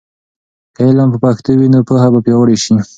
که علم په پښتو وي، نو پوهه به پیاوړې سي.